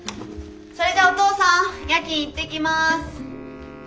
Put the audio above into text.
それじゃお父さん夜勤行ってきます。